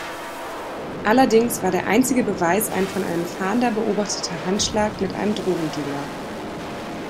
Allerdings war der einzige Beweis ein von einem Fahnder beobachteter Handschlag mit einem Drogendealer.